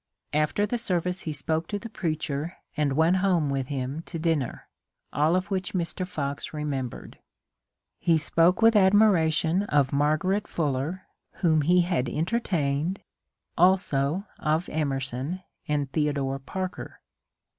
After the service he spoke to the preacher and went home with him to dinner, — all of which Mr. Fox remembered. He spoke with admiration of Margaret Fuller, whom he had en tertained, also of Emerson and Theodore Parker.